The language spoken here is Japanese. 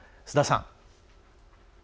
須田さん。